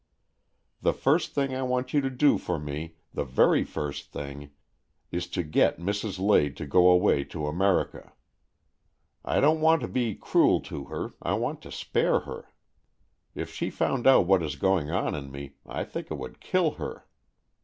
The first thing I want you to do for me, the very first thing, is to get Mrs. Lade to go away to America. I don't want to be cruel to her, I want to spare her. If she found out what is going on in me, I think it would kill her.